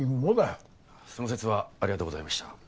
その節はありがとうございました。